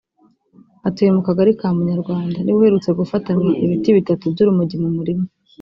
atuye mu kagari ka Munyarwanda niwe uherutse gufatanwa ibiti bitatu by’urumogi mu murima